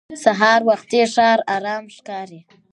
سهار وختي ښار ارام ښکاري